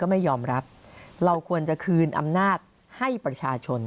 ไม่ยอมรับเราควรจะคืนอำนาจให้ประชาชน